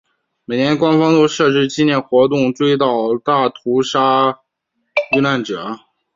每年官方都设置纪念活动悼念大屠杀遇难者。